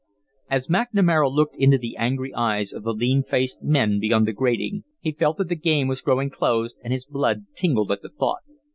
As McNamara looked into the angry eyes of the lean faced men beyond the grating, he felt that the game was growing close, and his blood tingled at the thought.